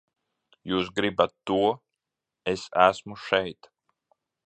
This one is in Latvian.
Jūs gribat to, es esmu šeit!